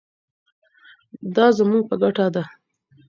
دا زموږ په ګټه ده.